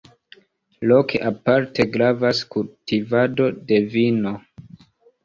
Loke aparte gravas kultivado de vino.